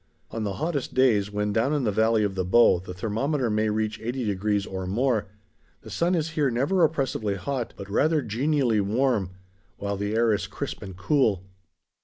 On the hottest days, when down in the valley of the Bow the thermometer may reach eighty degrees or more, the sun is here never oppressively hot, but rather genially warm, while the air is crisp and cool.